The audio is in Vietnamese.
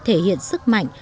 thể hiện sức mạnh